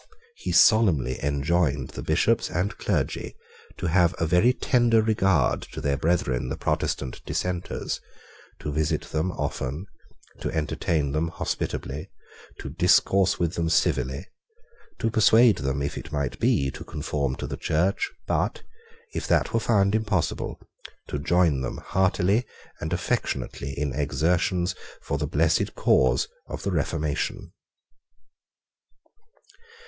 He solemnly enjoined the Bishops and clergy to have a very tender regard to their brethren the Protestant Dissenters, to visit them often, to entertain them hospitably, to discourse with them civilly, to persuade them, if it might be, to conform to the Church, but, if that were found impossible, to join them heartily and affectionately in exertions for the blessed cause of the Reformation.